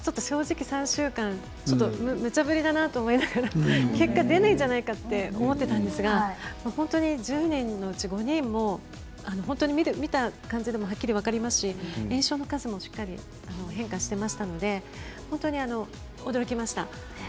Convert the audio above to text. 正直、３週間というのはむちゃ振りじゃないかと思って結果が出ないんじゃないかと思っていたんですが１０人のうち５人も見た感じでもはっきり分かりますし炎症の数もしっかり変化していましたので驚きました。